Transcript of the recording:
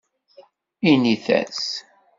Init-as.